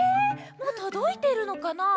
もうとどいてるのかな？